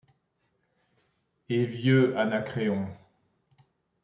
Et, vieux, Anacréon.